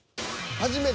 「初めて」？